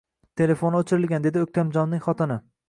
Telefoni o`chirilgan, dedi O`ktamjonning xotini